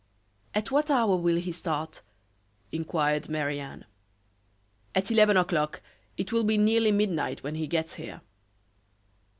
"At what hour will he start?" inquired Marie Anne. "At eleven o'clock. It will be nearly midnight when he gets here."